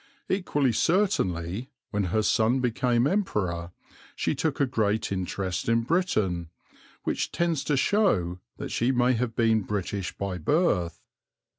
Equally certainly, when her son became Emperor, she took a great interest in Britain, which tends to show that she may have been British by birth.